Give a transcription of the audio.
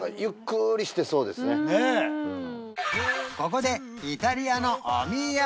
ここでイタリアのお土産